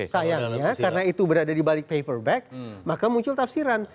sayangnya karena itu berada di balik paper bag maka muncul tafsiran